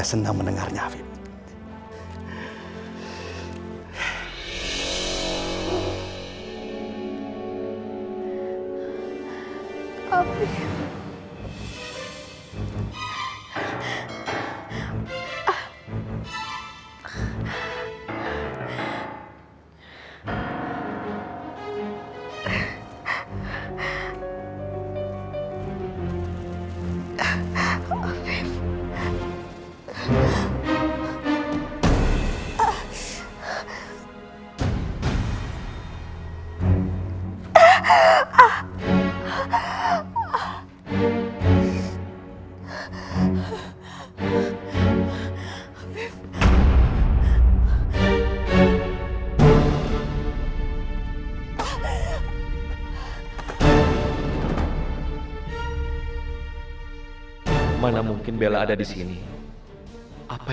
untuk mencari teman yang lebih baik untuk saya